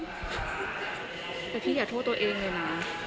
แต่พี่อย่าโทษตัวเองเลยนะ